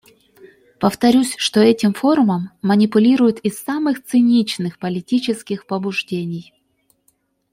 Повторюсь, что этим форумом манипулируют из самых циничных политических побуждений.